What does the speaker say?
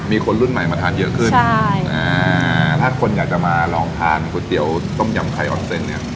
มีคนรุ่นใหม่มาทานเยอะขึ้นใช่อ่าถ้าคนอยากจะมาลองทานก๋วยเตี๋ยวต้มยำไข่ออนเซนเนี่ย